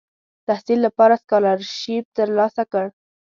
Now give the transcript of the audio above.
تحصیل لپاره سکالرشیپ تر لاسه کړ.